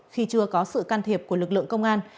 khi chưa có sự can thiệp của lực lượng công an